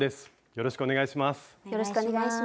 よろしくお願いします。